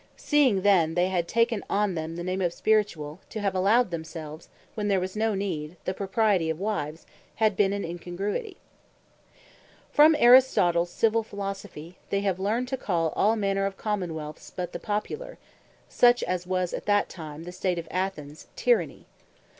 Seeing then they had taken on them the name of Spirituall, to have allowed themselves (when there was no need) the propriety of Wives, had been an Incongruity. And That All Government But Popular, Is Tyranny From Aristotles Civill Philosophy, they have learned, to call all manner of Common wealths but the Popular, (such as was at that time the state of Athens,) Tyranny.